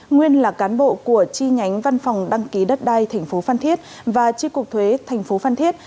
nguyên là cán bộ của chi nhánh văn phòng đăng ký đất đai tp phan thiết và chi cuộc thuế tp phan thiết